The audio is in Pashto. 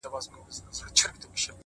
اوس په اسانه باندي هيچا ته لاس نه ورکوم _